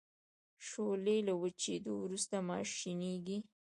شولې له وچیدو وروسته ماشینیږي.